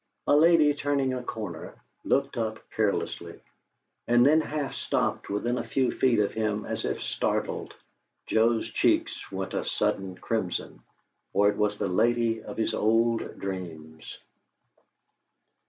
A lady, turning a corner, looked up carelessly, and then half stopped within a few feet of him, as if startled. Joe's cheeks went a sudden crimson; for it was the lady of his old dreams.